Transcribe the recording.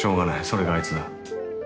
それがあいつだ。